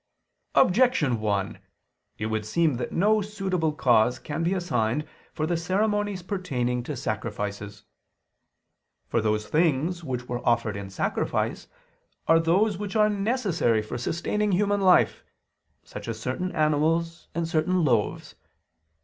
Objection 1: It would seem that no suitable cause can be assigned for the ceremonies pertaining to sacrifices. For those things which were offered in sacrifice, are those which are necessary for sustaining human life: such as certain animals and certain loaves.